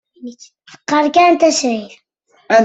Teqqar kan tasrit.